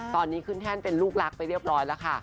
ตอนนี้ขึ้นแท่นเป็นลูกรักไปเรียบร้อยแล้วค่ะ